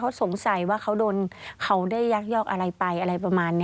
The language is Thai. เขาสงสัยว่าเขาโดนเขาได้ยักยอกอะไรไปอะไรประมาณนี้